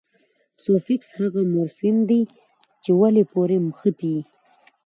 سوفیکس هغه مورفیم دئ، چي د ولي پوري مښتي يي.